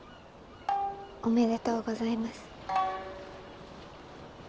おめでとうございます。